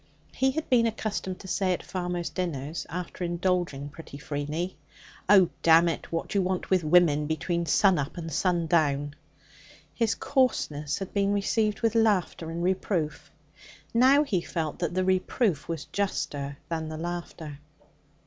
He had been accustomed to say at farmers' dinners, after indulging pretty freely: 'Oh, damn it! what d'you want with women between sun up and sun down?' His coarseness had been received with laughter and reproof. Now he felt that the reproof was juster than the laughter.